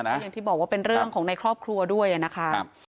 อย่างที่บอกว่าเป็นเรื่องของในครอบครัวด้วยนะคะ